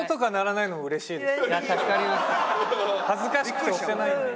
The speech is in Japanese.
恥ずかしくて押せないので。